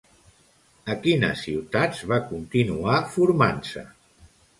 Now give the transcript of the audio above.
A quines ciutats va continuar formant-se?